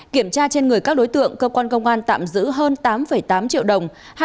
kiểm tra trên người các đối tượng cơ quan công an tạm giữ hơn tám tám triệu đồng